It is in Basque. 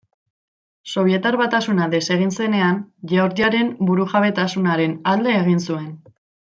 Sobietar Batasuna desegin zenean, Georgiaren burujabetasunaren alde egin zuen.